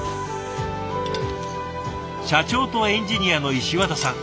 社長とエンジニアの石綿さん。